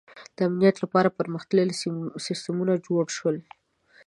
• د امنیت لپاره پرمختللي سیستمونه جوړ شول.